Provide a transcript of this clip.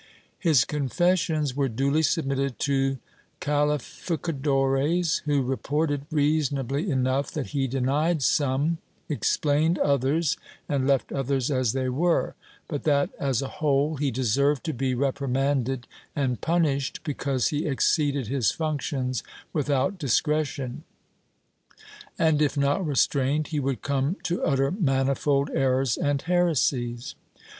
His confessions were duly submitted to calificadores who reported, reasonably enough, that he denied some, explained others and left others as they were, but that as a whole he deserved to be repri manded and punished, because he exceeded his functions without discretion and, if not restrained, he would come to utter manifold errors and heresies.